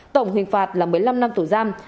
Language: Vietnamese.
tổng hình phạt là một mươi năm năm tù giam